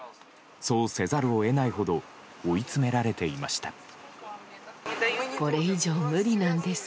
そうせざるを得ないほど追い詰められていました。